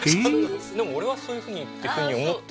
でも俺はそういうふうにって思って。